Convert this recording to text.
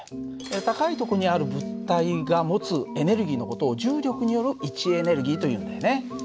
高いとこにある物体が持つエネルギーの事を重力による位置エネルギーというんだよね。